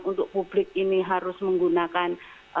untuk publik ini harus menggunakan